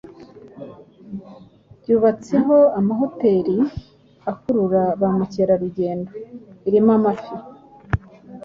byubatseho amahoteri akurura ba mukerarugendo. Birimo amafi